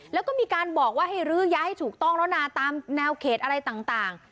แล้วก็มีการบอกว่าให้ลื้อย้ายให้ถูกต้องแล้วนะตามแนวเขตอะไรต่าง